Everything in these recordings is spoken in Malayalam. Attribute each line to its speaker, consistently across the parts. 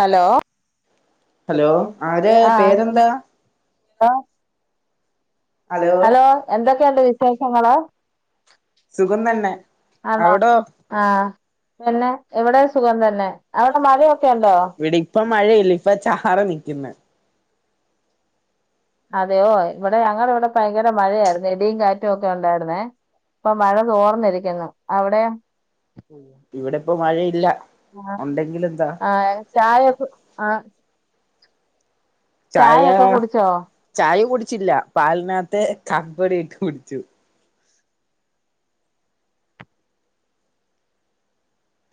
Speaker 1: ഹലോ
Speaker 2: ഹലോ ആരാ
Speaker 1: ആഹ്
Speaker 2: പേരെന്താ
Speaker 1: ഹലോ എന്തൊക്കെയുണ്ട് വിശേഷങ്ങള്
Speaker 2: സുഖം തന്നെ
Speaker 1: ആന്നോ
Speaker 2: അവിടോ
Speaker 1: ആഹ് പിന്നെ ഇവിടെ സുഖം തന്നെ അവിടെ മഴയൊക്കെ ഉണ്ടോ
Speaker 2: ഇപ്പൊ മഴയില്ല ഇപ്പൊ ചാറീ നിക്കുന്നു
Speaker 1: അതെയോ ഇവിടെ ഞങ്ങുടെ ഇവിടെ ഭയങ്കര മഴയായിരുന്നു ഇടിയും കാറ്റും ഒക്കെ ഉണ്ടായിരുന്നേ ഇപ്പൊ മഴ തോർന്നിരിക്കുന്നു അവിടെയോ
Speaker 2: ഇവിടെ ഇപ്പോ മഴയില്ല
Speaker 1: ആഹ്
Speaker 2: ഉണ്ടെങ്കിലെന്താ
Speaker 1: ആഹ് ചായ ഒക്കെ ആഹ്
Speaker 2: ചായ
Speaker 1: ചായൊക്കെ കുടിച്ചോ
Speaker 2: ചായ കുടിച്ചില്ല പാലിനകത്ത് കാപ്പിപ്പൊടി ഇട്ട് കുടിച്ചു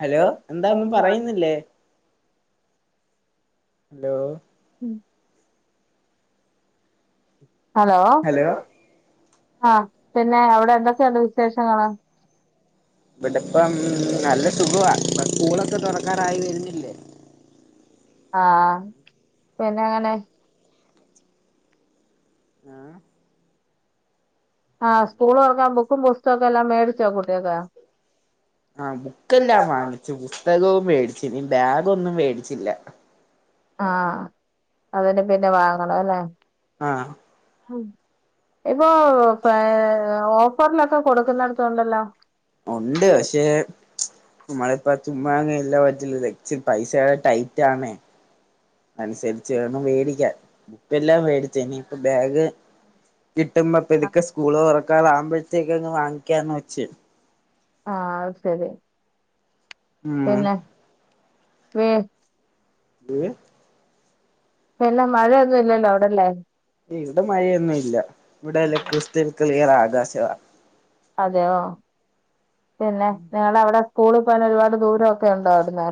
Speaker 2: ഹലോ എന്താ ഒന്നും പറയുന്നില്ലേ ഹലോ
Speaker 1: [inaudible] ഹലോ
Speaker 2: ഹലോ
Speaker 1: ആഹ് പിന്നെ അവിടെ എന്തൊക്കെയുണ്ട് വിശേഷങ്ങള്
Speaker 2: ഇവിട ഇപ്പം നല്ല സുഖമാണ് ഈ സ്കൂളൊക്കെ തുറക്കാറായി വരുന്നില്ലേ
Speaker 1: ആഹ് പിന്നെ എങ്ങനെ
Speaker 2: ആഹ്
Speaker 1: ആഹ് സ്കൂൾ തുറക്കാൻ ബുക്കും പുസ്തകൊക്കെ എല്ലാം മേടിച്ചോ [unintelligible]
Speaker 2: ആഹ് ബുക്കെല്ലാം വാങ്ങിച്ചു പുസ്തകവും മേടിച്ചു നീ ബാഗ് ഒന്നും മേടിച്ചില്ല
Speaker 1: ആഹ് അതിന് പിന്നെ വാങ്ങണം അല്ലേ
Speaker 2: ആഹ്
Speaker 1: ഇപ്പോ [unintelligible] ഓഫറിലൊക്കെ കൊടുക്കുന്നടത്തണ്ടല്ലോ
Speaker 2: എഹ് നമ്മളിപ്പ ചുമ്മാ അങ്ങന ഇല്ല പറ്റില്ല പൈസകെ ടൈറ്റ് ആണേ അനുസരിച്ച് വേണം മേടിക്കാൻ. ഇപ്പ എല്ലാം മേടിച്ച് ഇനിപ്പം ബാഗ് കിട്ടുമ്പോ പതുക്കെ സ്കൂള് തുറക്കാറാകുമ്പോഴത്തേക്കങ്ങ് വാങ്ങിക്കാന്ന് വെച്ച്.
Speaker 1: ആഹ് അത്ശരി.
Speaker 2: ഉം
Speaker 1: പിന്നെഹ് പീൻ ഇല്ല മഴേന്നൂല്ലല്ലോ അവിടല്ലെ.
Speaker 2: ഇവിടെ മഴേന്നുല്ല ഇവിടെല്ല ക്രിസ്തൽ ക്ലിയർ ആകാശ്വ.
Speaker 1: അതെയോ പിന്നെ നിങ്ങളവടെ സ്കൂളിൽ പോകാൻ ഒരുപാട് ദൂരൊക്കെണ്ടോവിടുന്ന്.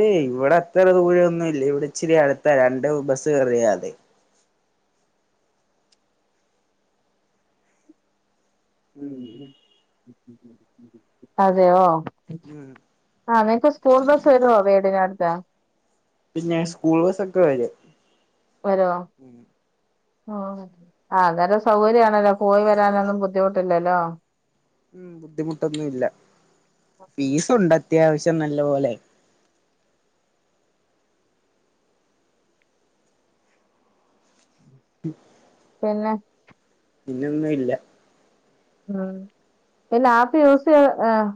Speaker 2: ഏയ് ഇവിടെ അത്ര ദൂരൊന്നുല്ല ഇവിടെച്ചിരി അടുത്താ രണ്ട് ബസ്സ് കറിയാതി. ഉം
Speaker 1: അതെയോ?
Speaker 2: ം
Speaker 1: ആഹ് നിങക്ക് സ്കൂൾ ബസ് വരോ വീടിനടുത്ത്.
Speaker 2: പിന്നെ സ്കൂൾ ബസ്സൊക്കെ വരും.
Speaker 1: വരോ? ആ അന്നേരം സൗകര്യാണല്ലോ പോയി വരാനൊന്നും ബുദ്ധിമുട്ടില്ലല്ലോ.
Speaker 2: ം ബുദ്ധിമുട്ടൊന്നുല്ല ഫീസുണ്ട് അത്യാവശ്യം നല്ല പോലെ. ം
Speaker 1: പിന്നെ?
Speaker 2: പിന്നൊന്നു ഇല്ല.
Speaker 1: ം പിന്നെ ആപ്പി യൂസിയ ഏഹ്